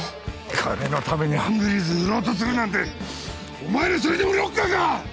金のためにハングリーズ売ろうとするなんてお前らそれでもロッカーか！？